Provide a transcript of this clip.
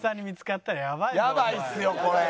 やばいっすよこれ。